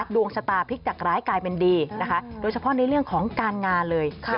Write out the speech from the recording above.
ดวงชะตาพลิกจากร้ายกลายเป็นดีนะคะโดยเฉพาะในเรื่องของการงานเลย